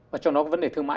và trong đó vấn đề thương mại